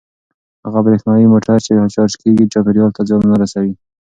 هغه برېښنايي موټر چې چارج کیږي چاپیریال ته زیان نه رسوي.